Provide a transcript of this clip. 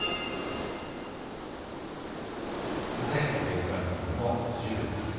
さて、ニュースランキングの１０位です。